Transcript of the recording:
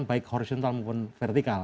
baik horizontal maupun vertikal